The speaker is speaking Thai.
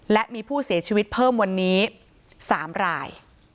และมีผู้เสียชีวิตเพิ่มวันนี้๓ราย